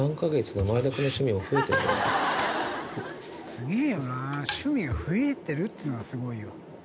すげぇよな趣味が増えてるっていうのがすごいよ。